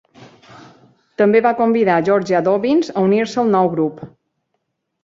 També va convidar a Georgia Dobbins a unir-se al nou grup.